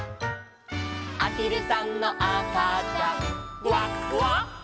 「あひるさんのあかちゃんグワグワ」